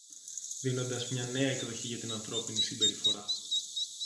δίνοντας μια νέα εκδοχή για την ανθρώπινη συμπεριφορά,